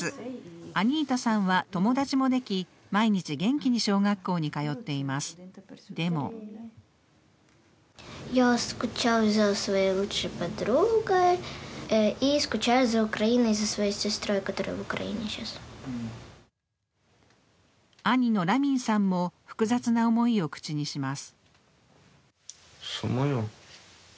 アニータさんは友達もでき毎日、元気に小学校に通っていますでも兄のラミンさんも複雑な思いを口にします。